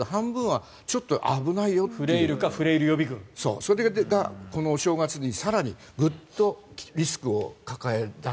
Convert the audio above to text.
それがこの正月に更にグッとリスクを抱え出す。